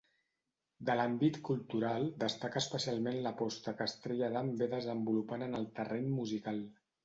De l'àmbit cultural destaca especialment l'aposta que Estrella Damm ve desenvolupant en el terreny musical.